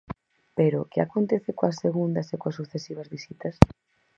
Pero ¿que acontece coas segundas e coas sucesivas visitas?